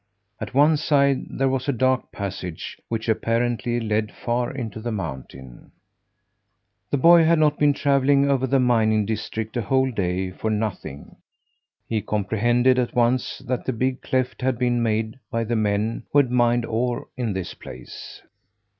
At one side there was a dark passage, which apparently led far into the mountain. The boy had not been travelling over the mining districts a whole day for nothing. He comprehended at once that the big cleft had been made by the men who had mined ore in this place.